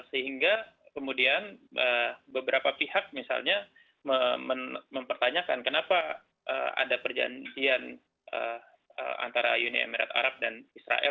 sehingga kemudian beberapa pihak misalnya mempertanyakan kenapa ada perjanjian antara uni emirat arab dan israel